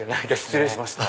失礼しました。